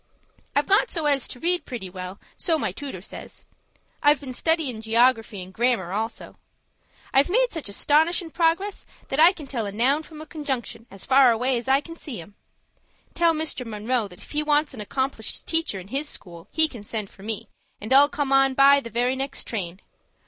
"I've got so as to read pretty well, so my tooter says. I've been studyin' geography and grammar also. I've made such astonishin' progress that I can tell a noun from a conjunction as far away as I can see 'em. Tell Mr. Munroe that if he wants an accomplished teacher in his school, he can send for me, and I'll come on by the very next train.